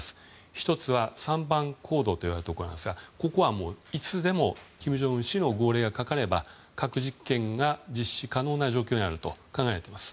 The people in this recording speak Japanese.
１つは、３番坑道と呼ばれるところなんですがここは、いつでも金正恩氏の号令がかかれば核実験の実施が可能だと考えられております。